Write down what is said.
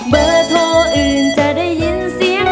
เบอร์โทรอื่นจะได้ยินเสียง